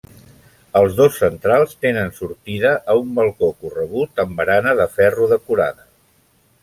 Els dos centrals tenen sortida a un balcó corregut amb barana de ferro decorada.